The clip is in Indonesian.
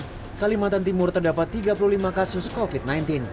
di kalimantan timur terdapat tiga puluh lima kasus covid sembilan belas